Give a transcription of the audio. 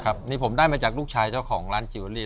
นี่ผมได้มาจากลูกชายเจ้าของร้านจิลเวอรี่